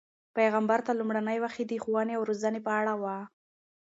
پیغمبر ته لومړنۍ وحی د ښوونې او روزنې په اړه وه.